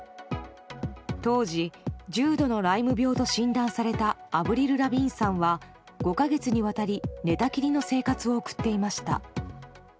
当時重度のライム病と診断されたアヴリル・ラヴィーンさんは５か月にわたり寝たきりの生活を送っていました。